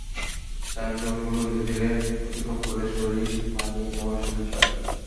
Time জোনগুলো ধীরে ধীরে অতিক্রম করলে, শরীর মানিয়ে নেওয়ার সুযোগ পায়।